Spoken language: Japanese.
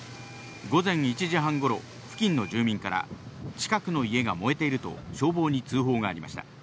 午前１時半頃、付近の住民から近くの家が燃えていると消防に通報がありました。